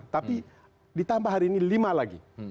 tapi ditambah hari ini lima lagi